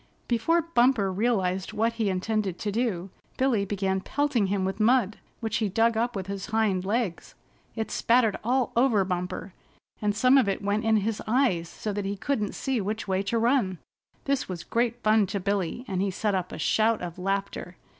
Before Bumper realized what he intended to do, Billy began pelting him with mud, which he dug up with his hind legs. It spattered all over Bumper, and some of it went in his eyes so that he couldn't see which way to run. This was great fun to Billy, and he set up a shout of laughter.